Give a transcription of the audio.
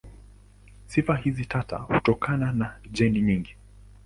Sifa hizi tata hutokana na jeni nyingi.